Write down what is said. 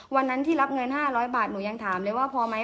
วันนั้นที่รับเงิน๕๐๐บาทหนูยังถามเลยว่าพอไหม